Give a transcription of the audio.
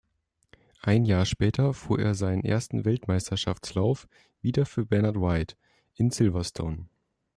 Ein Jahr später fuhr er seinen ersten Weltmeisterschaftslauf, wieder für Bernard White, in Silverstone.